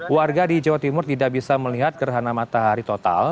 warga di jawa timur tidak bisa melihat gerhana matahari total